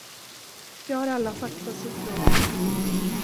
Jag har alla fakta och siffror.